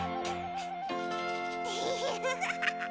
フフフフ。